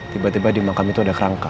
tiba tiba di makam itu ada kerangka